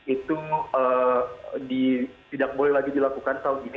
itu tidak boleh lagi dilakukan tahun ini